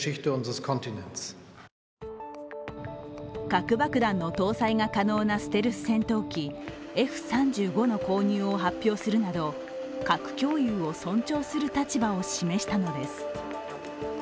核爆弾の搭載が可能なステルス戦闘機Ｆ３５の購入を発表するなど核共有を尊重する立場を示したのです。